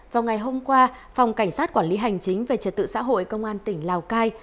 vào ngày hôm qua phòng cảnh sát quản lý hành chính về trật tự xã hội công an tỉnh lào cai